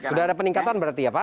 sudah ada peningkatan berarti ya pak